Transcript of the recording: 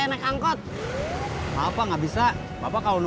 neng belum mandi